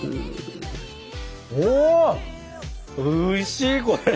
おおいしいこれ。